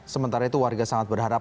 sementara itu warga sangat berharap